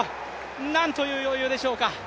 なんという余裕でしょうか。